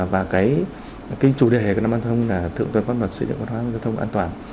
và cái chủ đề của năm an toàn là thượng tôn pháp luật xây dựng cơ quan giao thông an toàn